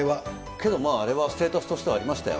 けどまあ、あれはステータスとしてはありましたよ。